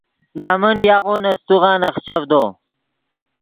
نمن یاغو نے سیتوغا نخچڤدو